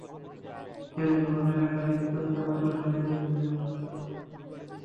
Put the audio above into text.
Jail জীবনে লেখালেখি করতে পারলেও শারীরিকভাবে ভীষণ অসুস্থ হয়ে পড়েন গ্রামসি।